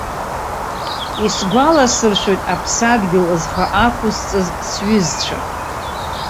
Исгәаласыршәоит аԥсадгьыл зхы ақәызҵаз сҩызцәа.